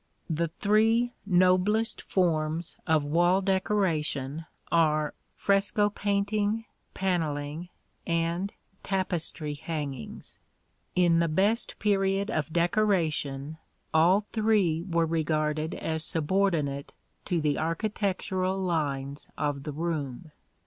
The three noblest forms of wall decoration are fresco painting, panelling, and tapestry hangings. In the best period of decoration all three were regarded as subordinate to the architectural lines of the room.